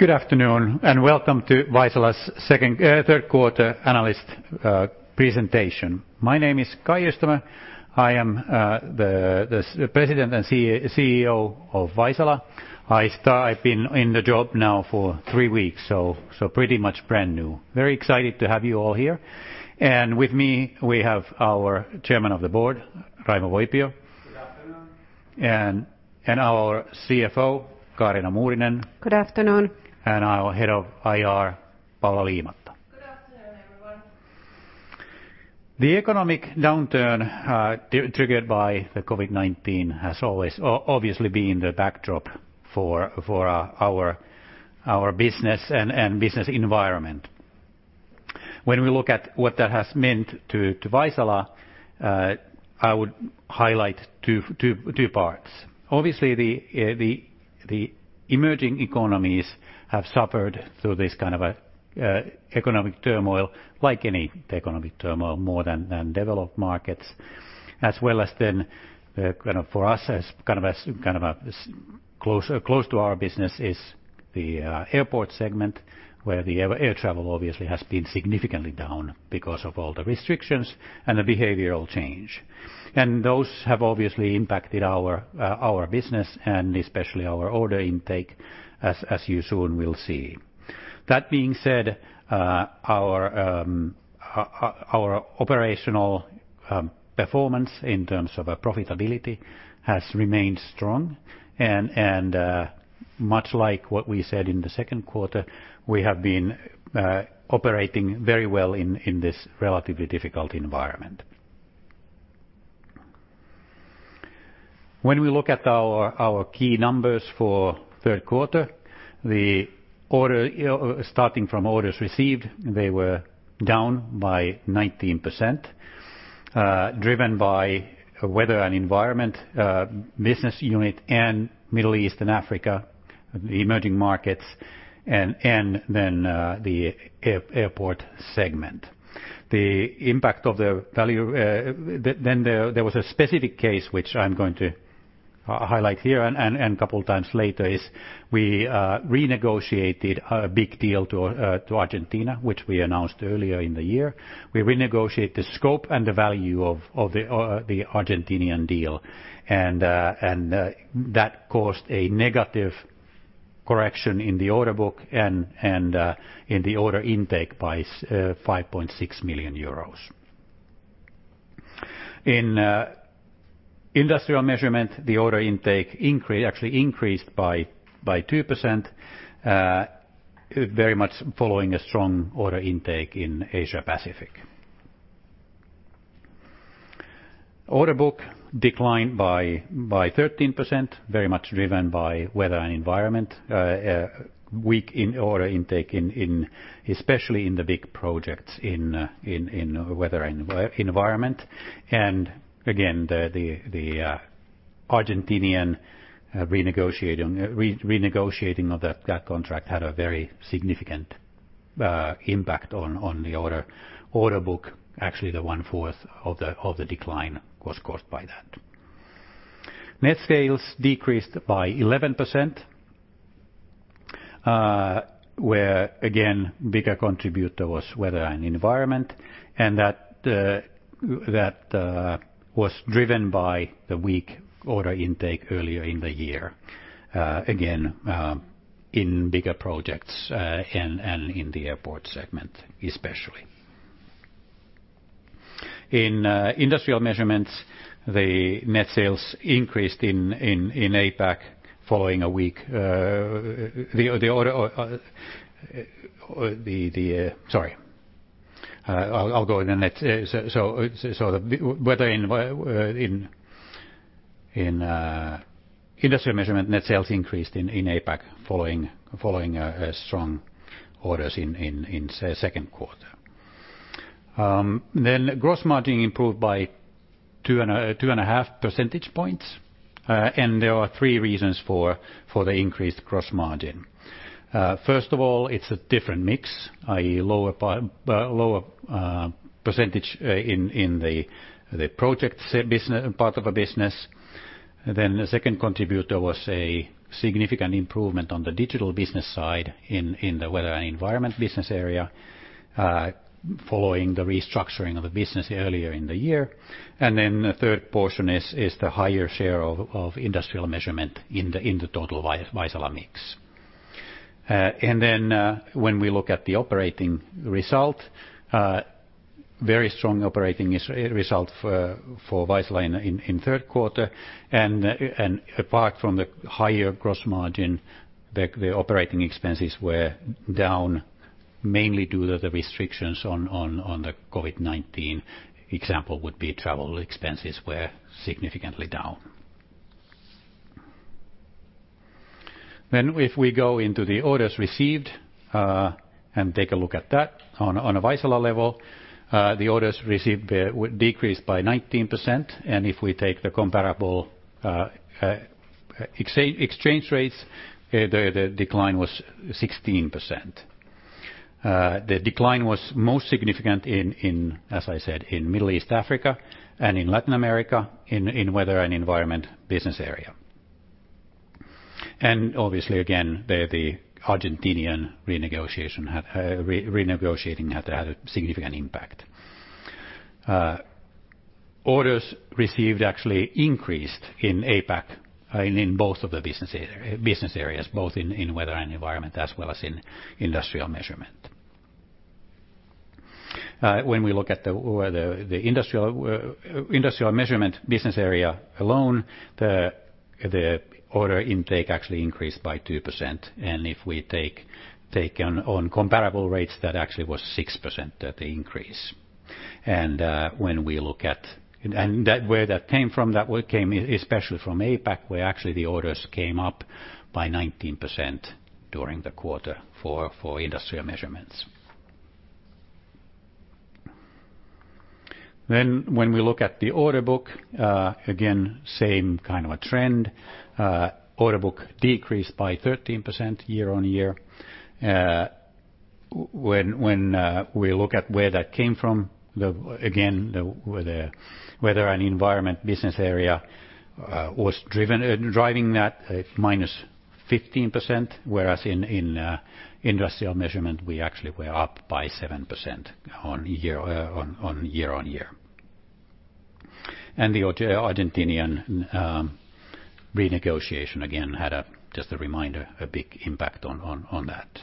Good afternoon, and welcome to Vaisala's third quarter analyst presentation. My name is Kai Öistämö. I am the President and CEO of Vaisala. I've been in the job now for three weeks, so pretty much brand new. Very excited to have you all here. With me, we have our Chairman of the Board, Raimo Voipio. Good afternoon. Our CFO, Kaarina Muurinen. Good afternoon. Our Head of IR, Paula Liimatta. Good afternoon, everyone. The economic downturn triggered by the COVID-19 has always obviously been the backdrop for our business and business environment. When we look at what that has meant to Vaisala, I would highlight two parts. The emerging economies have suffered through this kind of economic turmoil, like any economic turmoil, more than developed markets. For us, kind of close to our business is the airport segment, where the air travel obviously has been significantly down because of all the restrictions and the behavioral change. Those have obviously impacted our business and especially our order intake, as you soon will see. That being said, our operational performance in terms of profitability has remained strong, and much like what we said in the second quarter, we have been operating very well in this relatively difficult environment. When we look at our key numbers for third quarter, starting from orders received, they were down by 19%, driven by Weather and Environment business unit and Middle East and Africa, the emerging markets, then the airport segment. There was a specific case which I'm going to highlight here and a couple times later is we renegotiated a big deal to Argentina, which we announced earlier in the year. We renegotiate the scope and the value of the Argentinian deal, that caused a negative correction in the order book and in the order intake by 5.6 million euros. In Industrial Measurements, the order intake actually increased by 2%, very much following a strong order intake in Asia-Pacific. Order book declined by 13%, very much driven by Weather and Environment, weak in order intake especially in the big projects in Weather and Environment. Again, the Argentinian renegotiating of that contract had a very significant impact on the order book. Actually, the one-fourth of the decline was caused by that. Net sales decreased by 11%, where again, bigger contributor was Weather and Environment, that was driven by the weak order intake earlier in the year, again, in bigger projects and in the airport segment, especially. In Industrial Measurements, net sales increased in APAC following strong orders in second quarter. Gross margin improved by two and a half percentage points. There are three reasons for the increased gross margin. First of all, it's a different mix, i.e. lower percentage in the project part of a business. The second contributor was a significant improvement on the digital business side in the Weather and Environment business area, following the restructuring of the business earlier in the year. The third portion is the higher share of industrial measurement in the total Vaisala mix. When we look at the operating result, very strong operating result for Vaisala in third quarter. Apart from the higher gross margin, the operating expenses were down mainly due to the restrictions on the COVID-19. Example would be travel expenses were significantly down. If we go into the orders received and take a look at that on a Vaisala level, the orders received decreased by 19%. If we take the comparable exchange rates, the decline was 16%. The decline was most significant, as I said, in Middle East, Africa, and in Latin America, in Weather and Environment business area. Obviously, again, there the Argentinian renegotiating had a significant impact. Orders received actually increased in APAC in both of the business areas, both in Weather and Environment as well as in Industrial Measurements. When we look at the Industrial Measurements business area alone, the order intake actually increased by 2%. If we take on comparable rates, that actually was 6% the increase. Where that came from, that came especially from APAC, where actually the orders came up by 19% during the quarter for Industrial Measurements. When we look at the order book, again, same kind of a trend. Order book decreased by 13% year-on-year. When we look at where that came from, again, the Weather and Environment business area was driving that minus 15%, whereas in Industrial Measurements, we actually were up by 7% year-on-year. The Argentinian renegotiation, again, had, just a reminder, a big impact on that.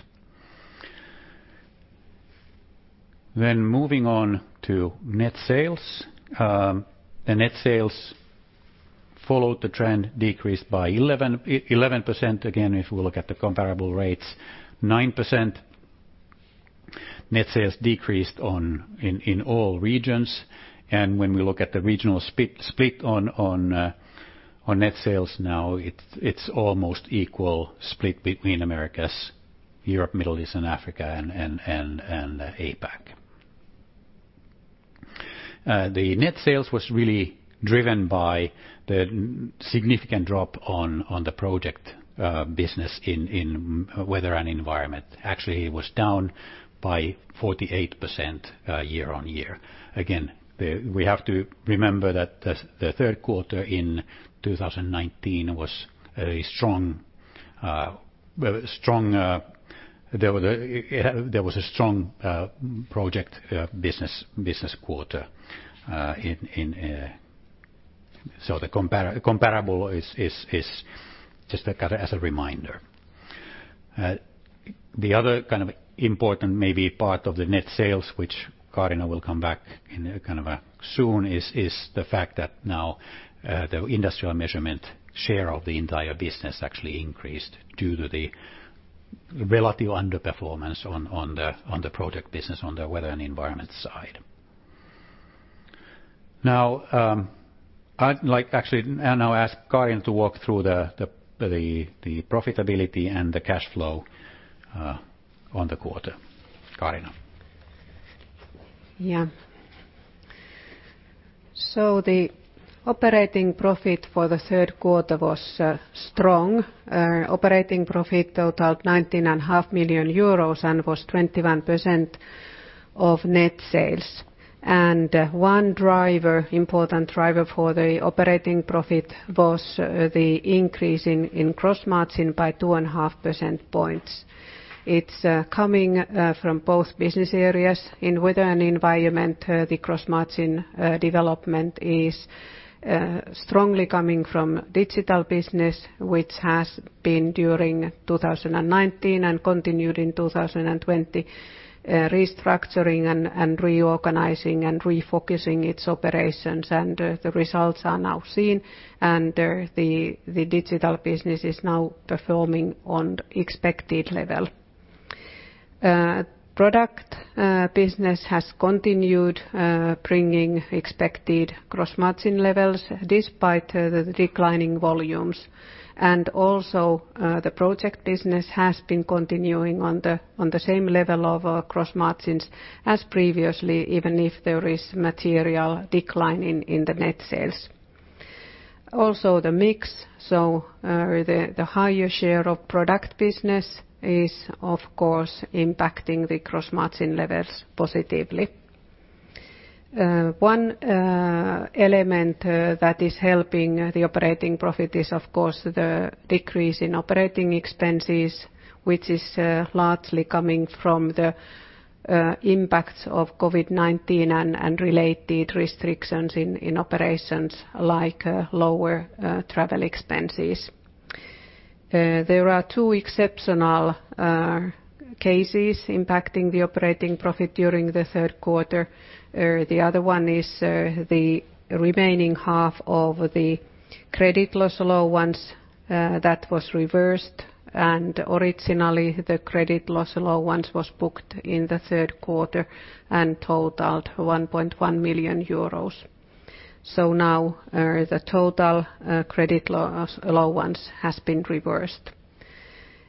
Moving on to net sales. The net sales followed the trend, decreased by 11%. Again, if we look at the comparable rates, 9% net sales decreased in all regions. When we look at the regional split on net sales now, it's almost equal split between Americas, Europe, Middle East and Africa, and APAC. The net sales was really driven by the significant drop on the project business in Weather and Environment. Actually, it was down by 48% year-on-year. Again, we have to remember that the third quarter in 2019 was very strong. There was a strong project business quarter. The comparable is just as a reminder. The other kind of important maybe part of the net sales, which Kaarina will come back in kind of soon, is the fact that now the Industrial Measurements share of the entire business actually increased due to the relative underperformance on the project business on the Weather and Environment side. Now, I'd like actually now ask Kaarina to walk through the profitability and the cash flow on the quarter. Kaarina? The operating profit for the third quarter was strong. Operating profit totaled 19.5 million euros and was 21% of net sales. One important driver for the operating profit was the increase in gross margin by 2.5 percentage points. It's coming from both business areas. In Weather and Environment, the gross margin development is strongly coming from digital business, which has been during 2019 and continued in 2020, restructuring and reorganizing and refocusing its operations and the results are now seen, and the digital business is now performing on expected level. Product business has continued bringing expected gross margin levels despite the declining volumes. Also, the project business has been continuing on the same level of gross margins as previously, even if there is material decline in the net sales. The mix, so the higher share of product business is, of course, impacting the gross margin levels positively. One element that is helping the operating profit is, of course, the decrease in operating expenses, which is largely coming from the impacts of COVID-19 and related restrictions in operations like lower travel expenses. There are two exceptional cases impacting the operating profit during the third quarter. The other one is the remaining half of the credit loss allowance that was reversed. Originally, the credit loss allowance was booked in the third quarter and totaled 1.1 million euros. Now, the total credit loss allowance has been reversed.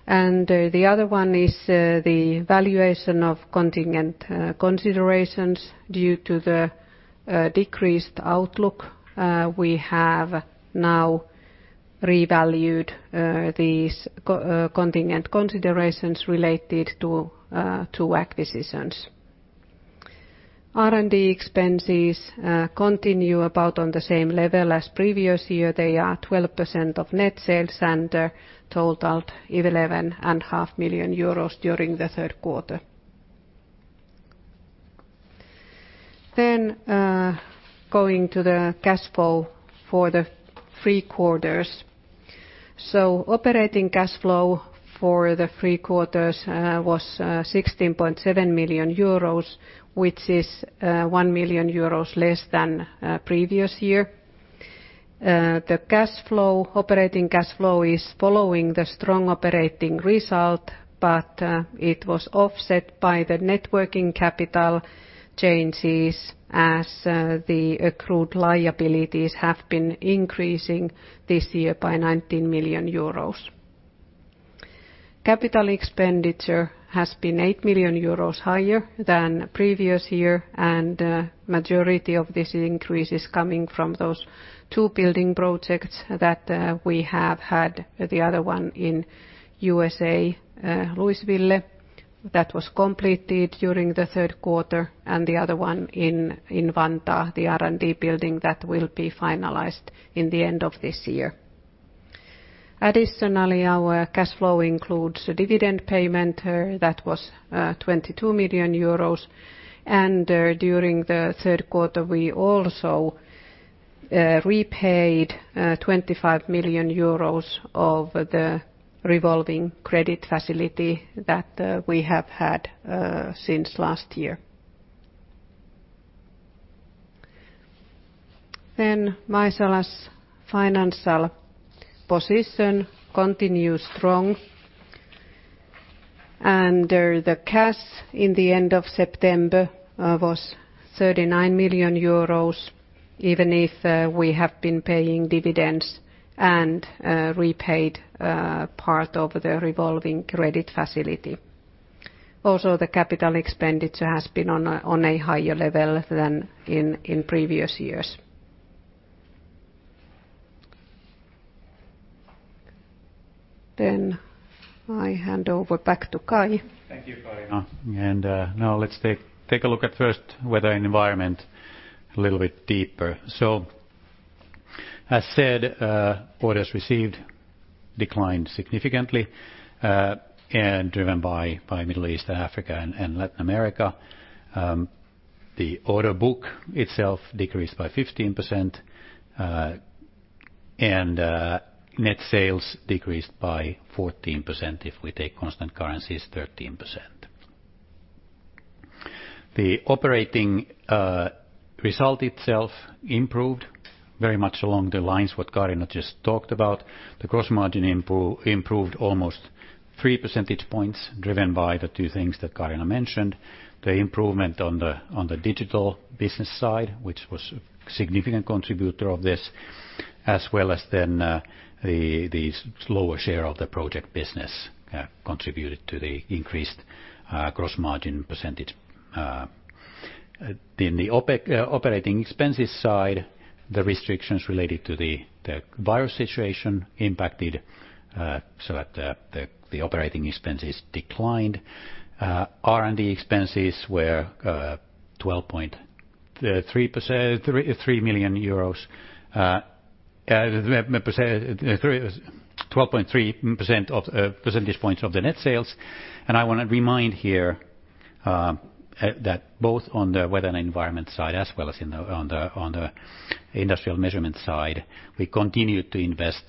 The other one is the valuation of contingent considerations due to the decreased outlook. We have now revalued these contingent considerations related to two acquisitions. R&D expenses continue about on the same level as previous year. They are 12% of net sales and totaled 11.5 million euros during the third quarter. Going to the cash flow for the three quarters. Operating cash flow for the three quarters was 16.7 million euros, which is 1 million euros less than previous year. The operating cash flow is following the strong operating result, but it was offset by the net working capital changes as the accrued liabilities have been increasing this year by 19 million euros. Capital expenditure has been 8 million euros higher than previous year, majority of this increase is coming from those two building projects that we have had. The other one in U.S., Louisville, that was completed during the third quarter, the other one in Vantaa, the R&D building that will be finalized in the end of this year. Additionally, our cash flow includes a dividend payment that was 22 million euros and during the third quarter, we also repaid 25 million euros of the revolving credit facility that we have had since last year. Vaisala's financial position continue strong and the cash in the end of September was 39 million euros, even if we have been paying dividends and repaid part of the revolving credit facility. The capital expenditure has been on a higher level than in previous years. I hand over back to Kai. Thank you, Kaarina. Now let's take a look at first Weather and Environment a little bit deeper. As said, orders received declined significantly, and driven by Middle East and Africa and Latin America. The order book itself decreased by 15%, and net sales decreased by 14%, if we take constant currencies, 13%. The operating result itself improved very much along the lines what Kaarina just talked about. The gross margin improved almost three percentage points, driven by the two things that Kaarina mentioned. The improvement on the digital business side, which was a significant contributor of this, as well as then the slower share of the project business contributed to the increased gross margin percentage. The operating expenses side, the restrictions related to the virus situation impacted so that the operating expenses declined. R&D expenses were 12.3% of percentage points of the net sales. I want to remind here that both on the Weather and Environment side as well as on the Industrial Measurements side, we continued to invest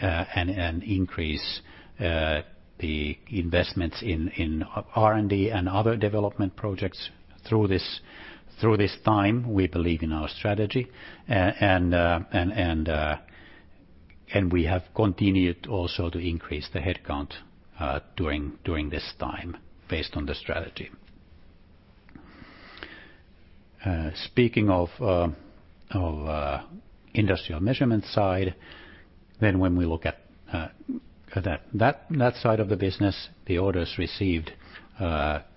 and increase the investments in R&D and other development projects through this time. We believe in our strategy and we have continued also to increase the headcount during this time based on the strategy. Speaking of Industrial Measurements side, when we look at that side of the business, the orders received increased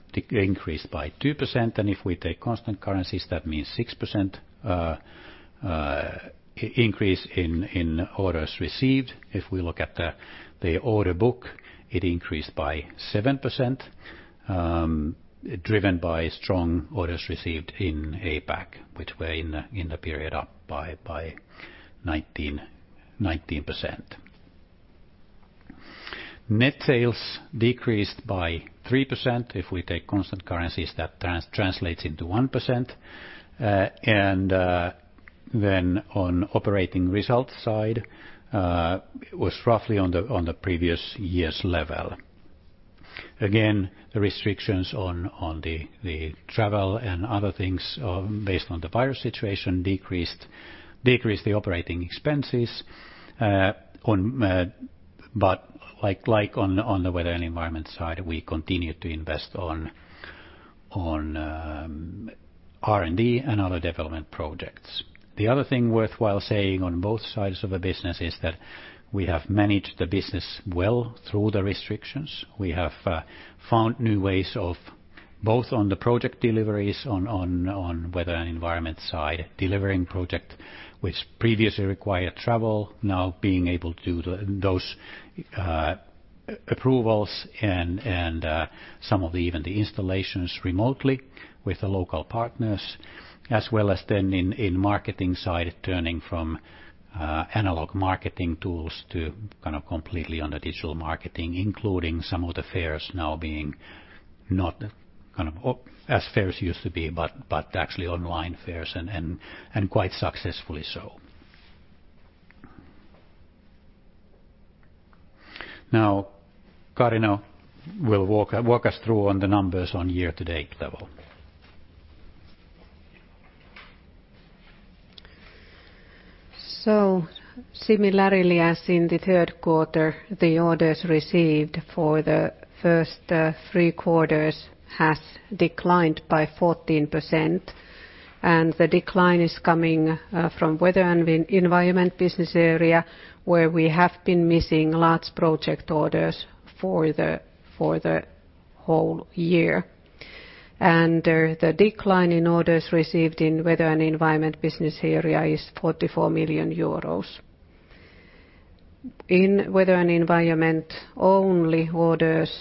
by 2%. If we take constant currencies, that means 6% increase in orders received. If we look at the order book, it increased by 7%, driven by strong orders received in APAC, which were in the period up by 19%. Net sales decreased by 3%. If we take constant currencies, that translates into 1%. On operating results side, it was roughly on the previous year's level. The restrictions on the travel and other things based on the virus situation decreased the operating expenses. Like on the Weather and Environment side, we continued to invest on R&D and other development projects. The other thing worthwhile saying on both sides of the business is that we have managed the business well through the restrictions. We have found new ways of both on the project deliveries on Weather and Environment side, delivering project which previously required travel, now being able to do those approvals and some of even the installations remotely with the local partners, as well as then in marketing side, turning from analog marketing tools to completely on the digital marketing, including some of the fairs now being not as fairs used to be, but actually online fairs and quite successfully so. Kaarina will walk us through on the numbers on year-to-date level. Similarly, as in the third quarter, the orders received for the first three quarters has declined by 14%, and the decline is coming from Weather and Environment business area, where we have been missing large project orders for the whole year. The decline in orders received in Weather and Environment business area is 44 million euros. In Weather and Environment, only orders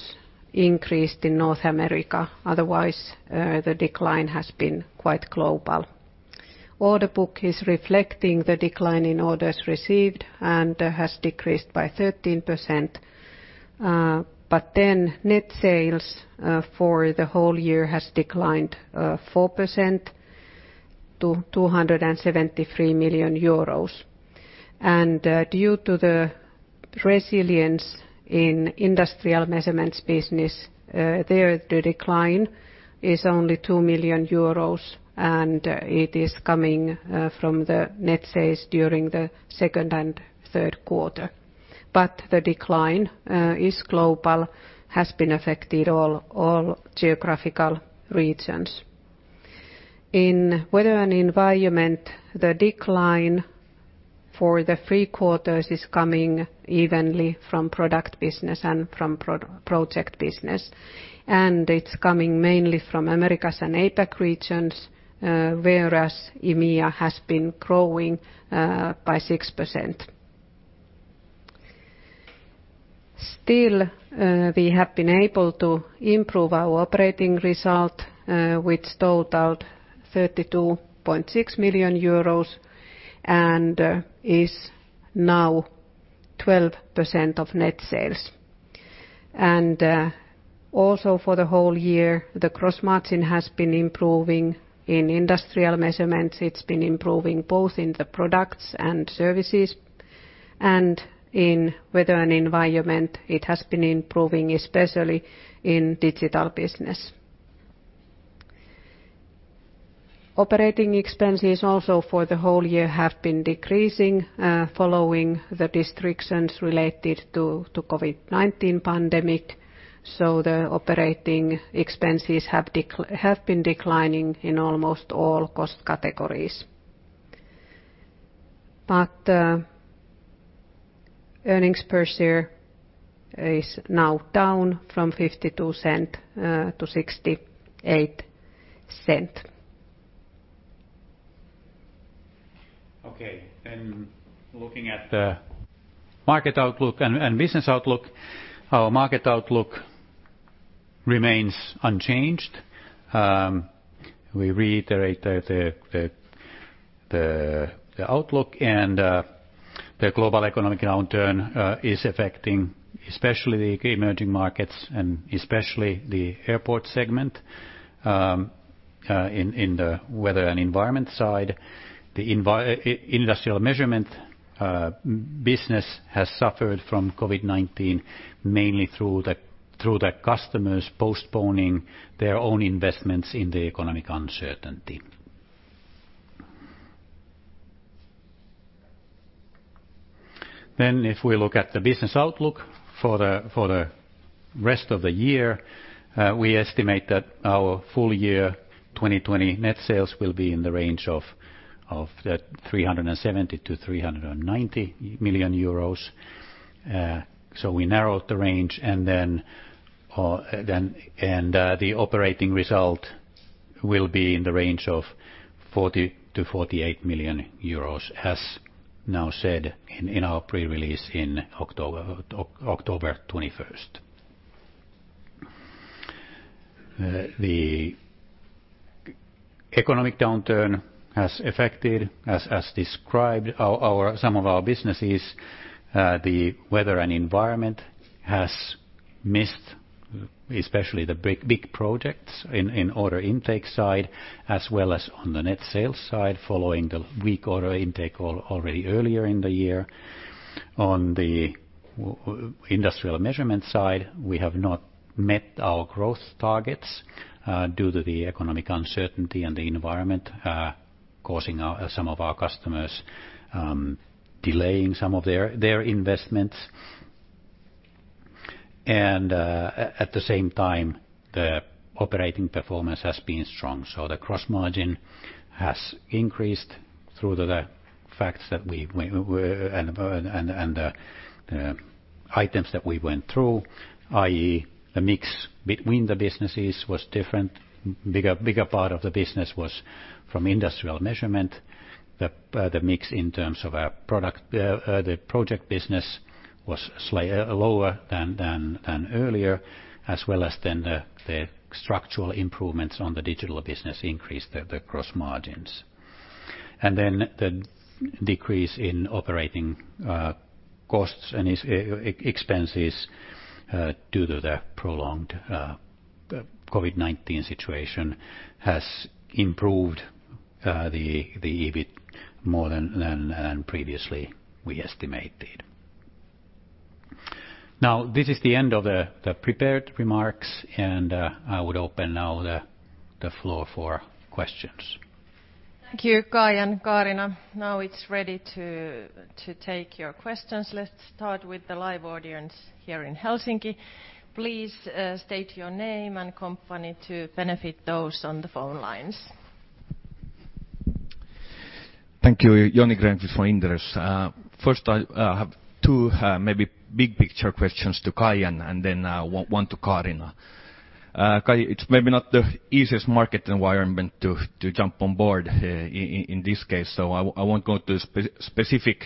increased in North America. Otherwise, the decline has been quite global. Order book is reflecting the decline in orders received and has decreased by 13%. Net sales for the whole year has declined 4% to 273 million euros. Due to the resilience in Industrial Measurements business area, the decline is only 2 million euros, and it is coming from the net sales during the second and third quarter. The decline is global, has been affected all geographical regions. In Weather and Environment, the decline for the three quarters is coming evenly from product business and from project business. It's coming mainly from Americas and APAC regions, whereas EMEA has been growing by 6%. Still, we have been able to improve our operating result, which totaled 32.6 million euros and is now 12% of net sales. Also for the whole year, the gross margin has been improving in Industrial Measurements. It's been improving both in the products and services, and in Weather and Environment it has been improving, especially in digital business. Operating expenses also for the whole year have been decreasing, following the restrictions related to COVID-19 pandemic. The operating expenses have been declining in almost all cost categories. Earnings per share is now down from 0.52 to 0.68. Okay. Looking at the market outlook and business outlook, our market outlook remains unchanged. We reiterate the outlook and the global economic downturn is affecting especially the emerging markets and especially the airport segment in the Weather and Environment side. The Industrial Measurements business has suffered from COVID-19 mainly through the customers postponing their own investments in the economic uncertainty. If we look at the business outlook for the rest of the year, we estimate that our full year 2020 net sales will be in the range of 370 million-390 million euros. We narrowed the range and the operating result will be in the range of 40 million-48 million euros, as now said in our pre-release in October 21st. The economic downturn has affected, as described, some of our businesses. The Weather and Environment has missed especially the big projects in order intake side as well as on the net sales side following the weak order intake already earlier in the year. On the Industrial Measurements side, we have not met our growth targets due to the economic uncertainty and the environment causing some of our customers delaying some of their investments. At the same time, the operating performance has been strong. The gross margin has increased through the facts and the items that we went through, i.e., the mix between the businesses was different. Bigger part of the business was from Industrial Measurements. The project business was lower than earlier, as well as then the structural improvements on the digital business increased the gross margins. The decrease in operating costs and expenses due to the prolonged COVID-19 situation has improved the EBIT more than previously we estimated. Now, this is the end of the prepared remarks, and I would open now the floor for questions. Thank you, Kai and Kaarina. It's ready to take your questions. Let's start with the live audience here in Helsinki. Please state your name and company to benefit those on the phone lines. Thank you. Joni Grönqvist from Inderes. First, I have two maybe big-picture questions to Kai and then one to Kaarina. Kai, it's maybe not the easiest market environment to jump on board in this case, so I won't go into specific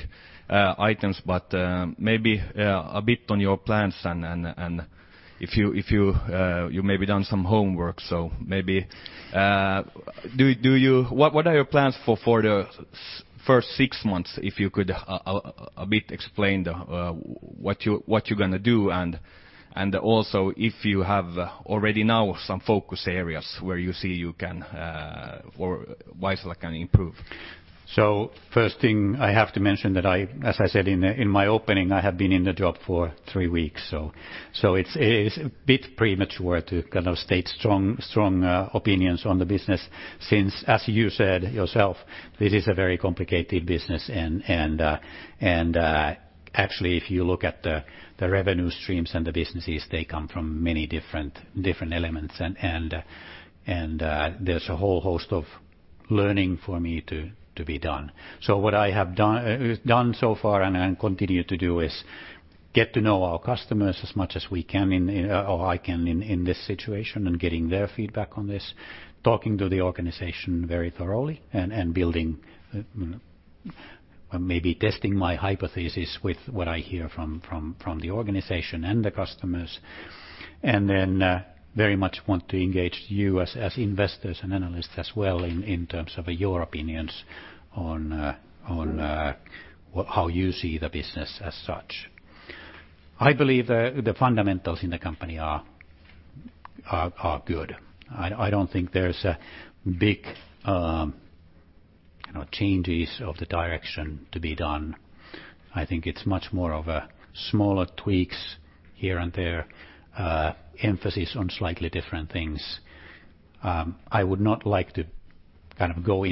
items, but maybe a bit on your plans and if you've maybe done some homework. What are your plans for the first six months? If you could a bit explain what you're going to do, and also if you have already now some focus areas where you see Vaisala can improve. First thing I have to mention that, as I said in my opening, I have been in the job for three weeks, so it's a bit premature to state strong opinions on the business since, as you said yourself, this is a very complicated business, and actually, if you look at the revenue streams and the businesses, they come from many different elements. There's a whole host of learning for me to be done. What I have done so far, and continue to do, is get to know our customers as much as I can in this situation and getting their feedback on this, talking to the organization very thoroughly, and maybe testing my hypothesis with what I hear from the organization and the customers, and then very much want to engage you as investors and analysts as well in terms of your opinions on how you see the business as such. I believe the fundamentals in the company are good. I don't think there's big changes of the direction to be done. I think it's much more of smaller tweaks here and there, emphasis on slightly different things. I would not like to go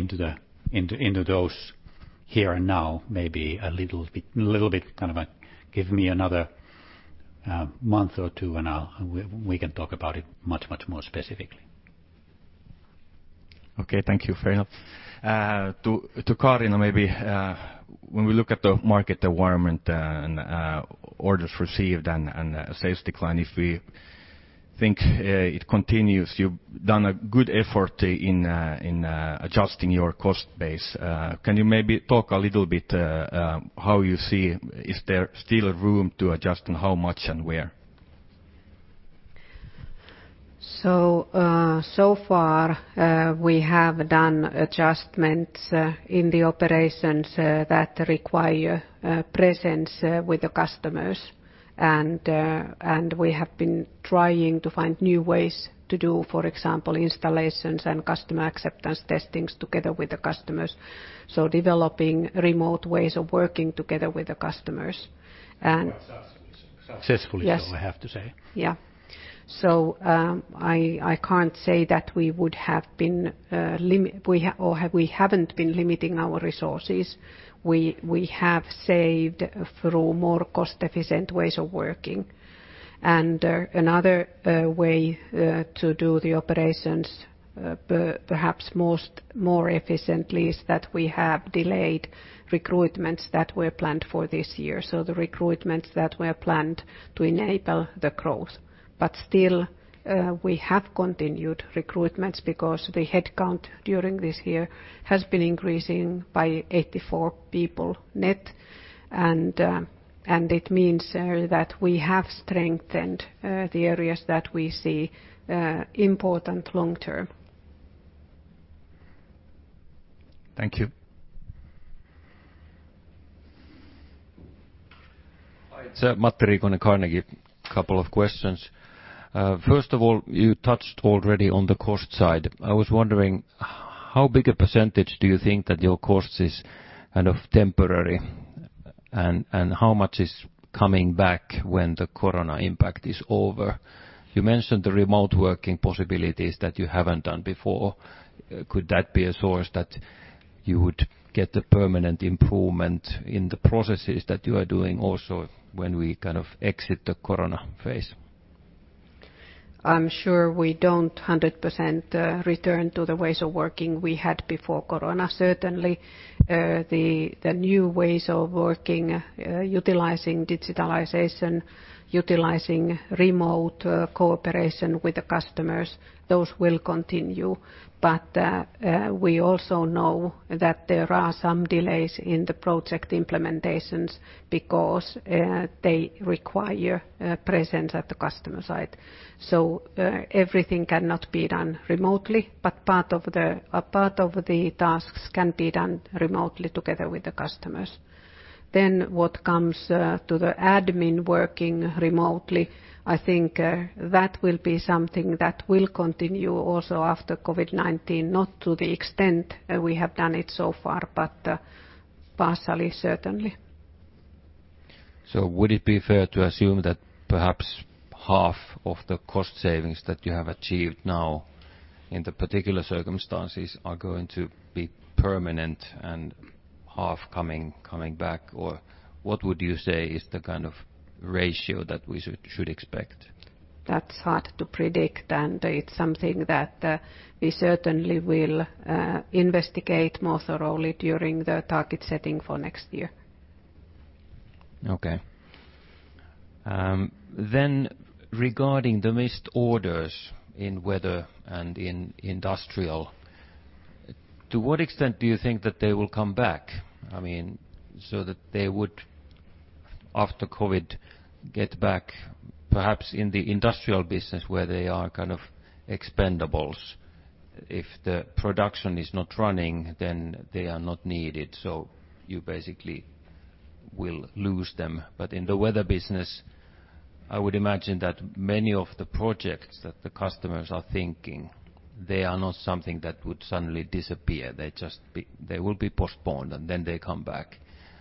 into those here and now. Maybe give me another month or two, and we can talk about it much more specifically. Okay. Thank you for your help. To Kaarina, maybe when we look at the market environment and orders received and sales decline, if we think it continues, you've done a good effort in adjusting your cost base. Can you maybe talk a little bit how you see, is there still room to adjust, and how much and where? So far, we have done adjustments in the operations that require presence with the customers, and we have been trying to find new ways to do, for example, installations and customer acceptance testing together with the customers. Developing remote ways of working together with the customers. Successfully. Yes. I have to say. Yeah. I can't say that we haven't been limiting our resources. We have saved through more cost-efficient ways of working. Another way to do the operations perhaps more efficiently is that we have delayed recruitments that were planned for this year, so the recruitments that were planned to enable the growth. Still, we have continued recruitments because the headcount during this year has been increasing by 84 people net, and it means that we have strengthened the areas that we see important long term. Thank you. Hi, it's Matti Riikonen, Carnegie. Couple of questions. First of all, you touched already on the cost side. I was wondering how big a % do you think that your cost is temporary, and how much is coming back when the Corona impact is over? You mentioned the remote working possibilities that you haven't done before. Could that be a source that you would get a permanent improvement in the processes that you are doing also when we exit the Corona phase? I'm sure we don't 100% return to the ways of working we had before Corona. Certainly, the new ways of working, utilizing digitalization, utilizing remote cooperation with the customers, those will continue. We also know that there are some delays in the project implementations because they require presence at the customer site. Everything cannot be done remotely, but part of the tasks can be done remotely together with the customers. What comes to the admin working remotely, I think that will be something that will continue also after COVID-19, not to the extent we have done it so far, but partially, certainly. Would it be fair to assume that perhaps half of the cost savings that you have achieved now in the particular circumstances are going to be permanent and half coming back? What would you say is the kind of ratio that we should expect? That's hard to predict, and it's something that we certainly will investigate more thoroughly during the target setting for next year. Okay. Regarding the missed orders in Weather and in Industrial, to what extent do you think that they will come back? That they would, after COVID, get back perhaps in the Industrial business where they are kind of expendables. If the production is not running, then they are not needed, so you basically will lose them. In the Weather business, I would imagine that many of the projects that the customers are thinking, they are not something that would suddenly disappear. They will be postponed, and then they come back.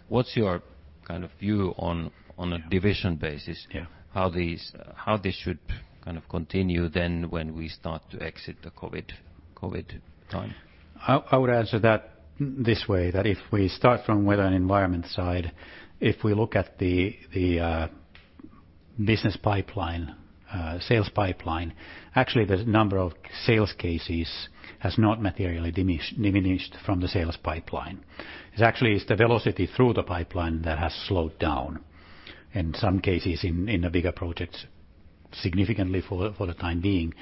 What's your kind of view on a division basis? Yeah. How this should kind of continue then when we start to exit the COVID time? I would answer that this way, that if we start from Weather and Environment side, if we look at the business pipeline, sales pipeline, actually the number of sales cases has not materially diminished from the sales pipeline. It's actually it's the velocity through the pipeline that has slowed down, in some cases in the bigger projects, significantly for the time being,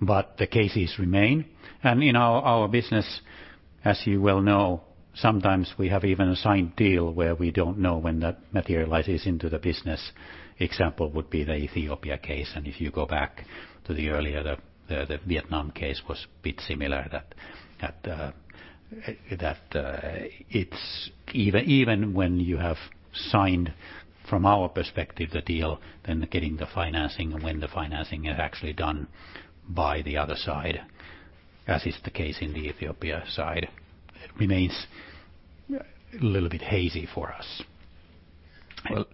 but the cases remain. In our business, as you well know, sometimes we have even a signed deal where we don't know when that materializes into the business. Example would be the Ethiopia case, and if you go back to the earlier, the Vietnam case was a bit similar, that even when you have signed from our perspective the deal, then getting the financing and when the financing is actually done by the other side, as is the case in the Ethiopia side, it remains a little bit hazy for us.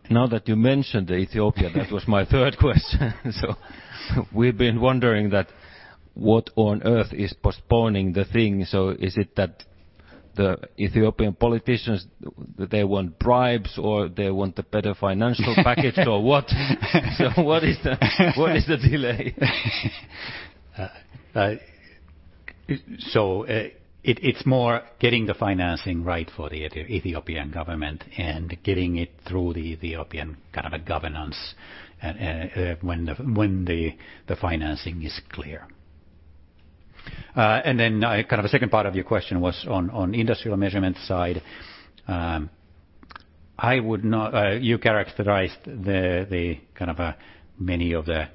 Now that you mentioned Ethiopia, that was my third question. We've been wondering that what on earth is postponing the thing. Is it that the Ethiopian politicians, they want bribes or they want a better financial package or what? What is the delay? It's more getting the financing right for the Ethiopian government and getting it through the Ethiopian kind of a governance and when the financing is clear. Then kind of a second part of your question was on industrial measurement side. You characterized many of the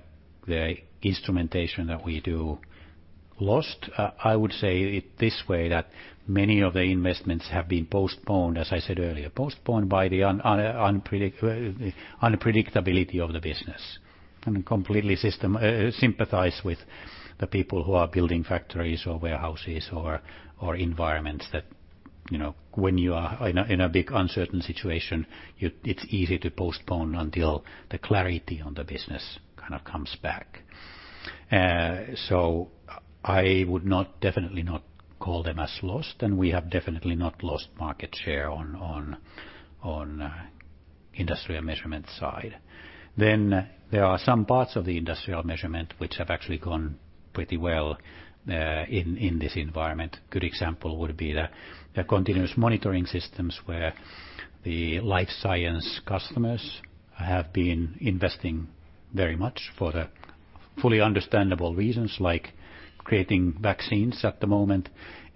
instrumentation that we do lost. I would say it this way, that many of the investments have been postponed, as I said earlier, postponed by the unpredictability of the business, and completely sympathize with the people who are building factories or warehouses or environments that, when you are in a big uncertain situation, it's easy to postpone until the clarity on the business kind of comes back. I would definitely not call them as lost, and we have definitely not lost market share on industrial measurement side. There are some parts of the Industrial Measurements which have actually gone pretty well in this environment. Good example would be the continuous monitoring systems where the life science customers have been investing very much for the fully understandable reasons like creating vaccines at the moment.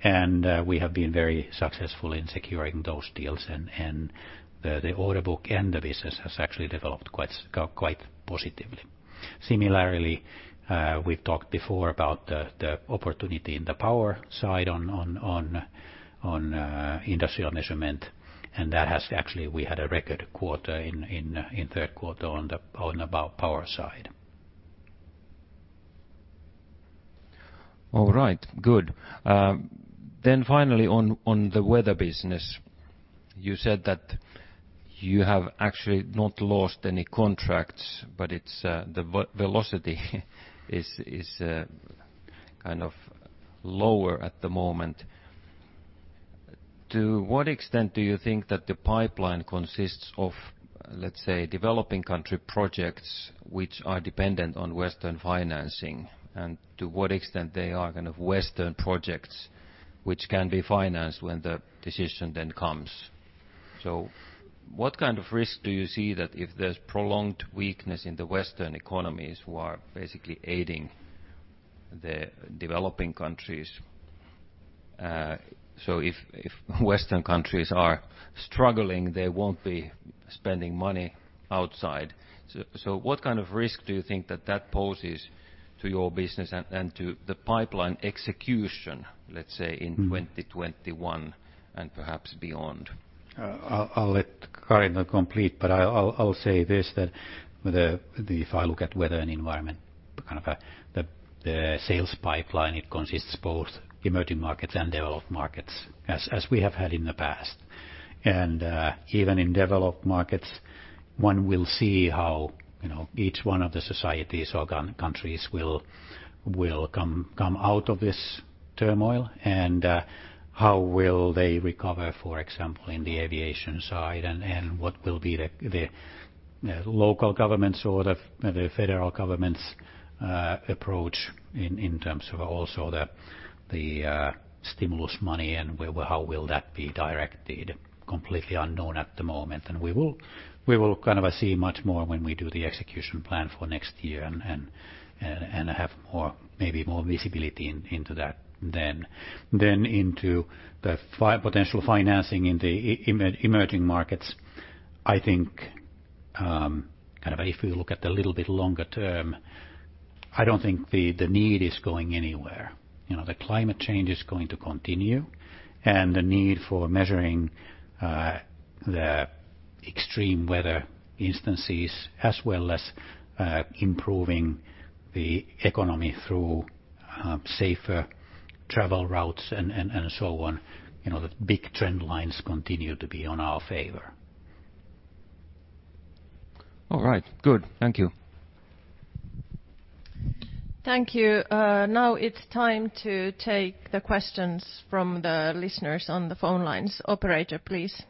We have been very successful in securing those deals and the order book and the business has actually developed quite positively. Similarly, we've talked before about the opportunity in the power side on Industrial Measurements, and we had a record quarter in third quarter on the power side. All right. Good. Finally on the Weather business, you said that you have actually not lost any contracts, but the velocity is kind of lower at the moment. To what extent do you think that the pipeline consists of, let's say, developing country projects which are dependent on Western financing, and to what extent they are Western projects which can be financed when the decision then comes? What kind of risk do you see that if there's prolonged weakness in the Western economies who are basically aiding the developing countries? If Western countries are struggling, they won't be spending money outside. What kind of risk do you think that that poses to your business and to the pipeline execution, let's say in 2021 and perhaps beyond? I'll let Kaarina complete, but I'll say this, that if I look at Weather and Environment, the sales pipeline, it consists both emerging markets and developed markets as we have had in the past. Even in developed markets, one will see how each one of the societies or countries will come out of this turmoil and how will they recover, for example, in the aviation side and what will be the local government's or the federal government's approach in terms of also the stimulus money and how will that be directed. Completely unknown at the moment. We will see much more when we do the execution plan for next year and have maybe more visibility into that then into the potential financing in the emerging markets. I think if we look at the little bit longer term, I don't think the need is going anywhere. The climate change is going to continue and the need for measuring the extreme weather instances as well as improving the economy through safer travel routes and so on, the big trend lines continue to be on our favor. All right, good. Thank you. Thank you. Now it's time to take the questions from the listeners on the phone lines. Operator, please.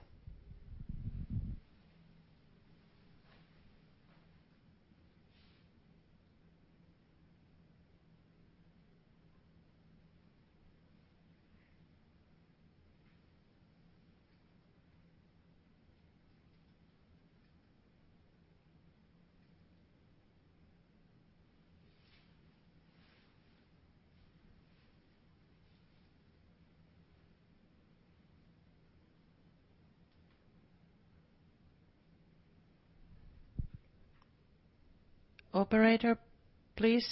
Operator, please.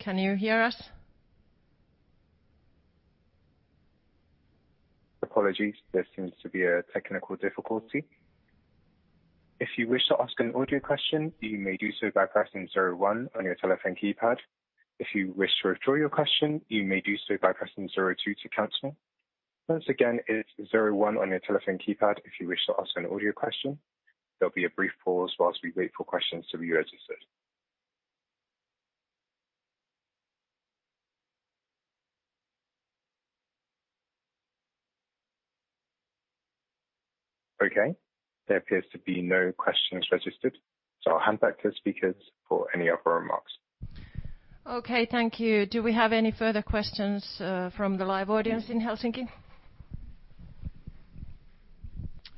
Can you hear us? Apologies. There seems to be a technical difficulty. If you wish to ask an audio question, you may do so by pressing zero one on your telephone keypad. If you wish to withdraw your question, you may do so by pressing zero two to cancel. Once again, it is zero one on your telephone keypad if you wish to ask an audio question. There'll be a brief pause while we wait for questions to be registered. Okay. There appears to be no questions registered, so I'll hand back to the speakers for any other remarks. Okay, thank you. Do we have any further questions from the live audience in Helsinki?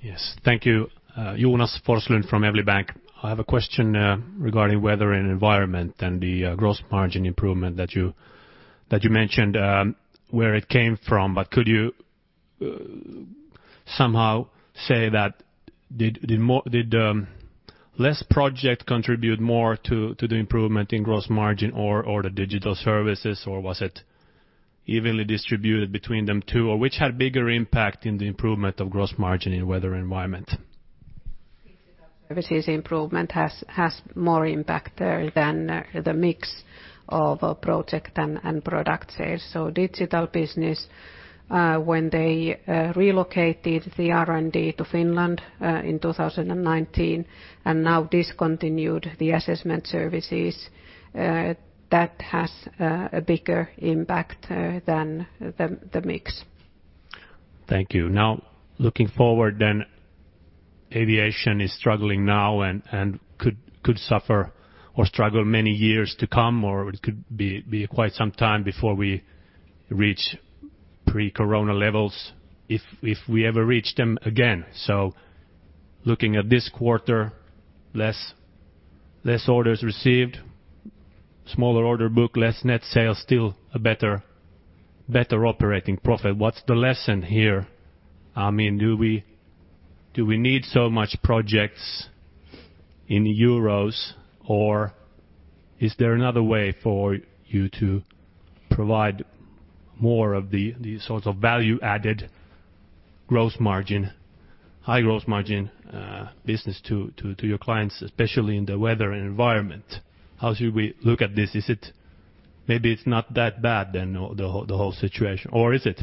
Yes. Thank you. Jonas Forslund from Evli Bank. I have a question regarding Weather and Environment and the gross margin improvement that you mentioned, where it came from, but could you somehow say that did less project contribute more to the improvement in gross margin or the digital services, or was it evenly distributed between them two? Which had bigger impact in the improvement of gross margin in Weather and Environment? Services improvement has more impact there than the mix of project and product sales. Digital business, when they relocated the R&D to Finland in 2019 and now discontinued the assessment services, that has a bigger impact than the mix. Thank you. Looking forward, aviation is struggling now and could suffer or struggle many years to come, or it could be quite some time before we reach pre-corona levels, if we ever reach them again. Looking at this quarter, less orders received, smaller order book, less net sales, still a better operating profit. What's the lesson here? I mean, do we need so much projects in Euros or is there another way for you to provide more of the sorts of value-added gross margin, high gross margin business to your clients, especially in the Weather and Environment? How should we look at this? Maybe it's not that bad, the whole situation. Is it?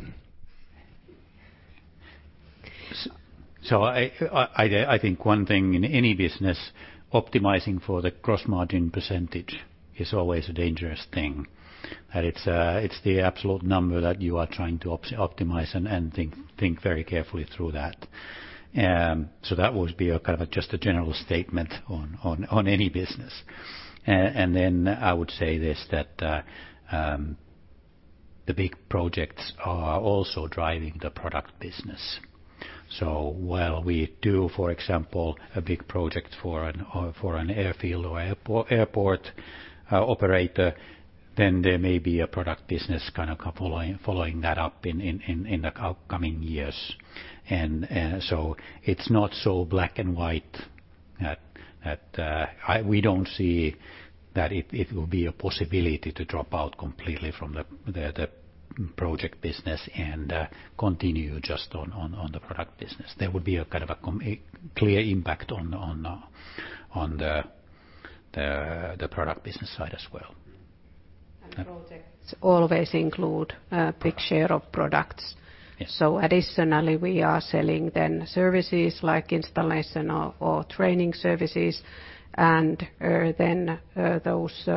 I think one thing in any business, optimizing for the gross margin percentage is always a dangerous thing. That it's the absolute number that you are trying to optimize and think very carefully through that. That would be a general statement on any business. Then I would say this, that the big projects are also driving the product business. While we do, for example, a big project for an airfield or airport operator, then there may be a product business following that up in the upcoming years. It's not so black and white that we don't see that it will be a possibility to drop out completely from the project business and continue just on the product business. There would be a clear impact on the product business side as well. Projects always include a big share of products. Yes. Additionally, we are selling then services like installation or training services and then those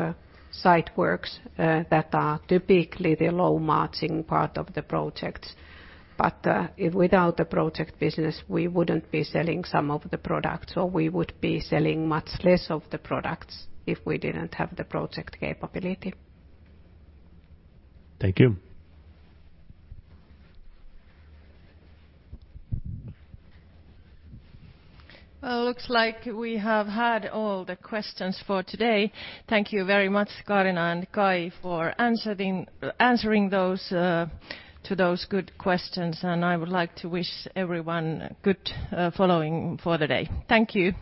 site works that are typically the low margin part of the project. Without the project business, we wouldn't be selling some of the products, or we would be selling much less of the products if we didn't have the project capability. Thank you. Well, looks like we have had all the questions for today. Thank you very much, Kaarina and Kai, for answering those to those good questions, and I would like to wish everyone good following for the day. Thank you.